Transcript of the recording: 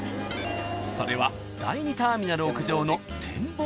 ［それは第２ターミナル屋上の展望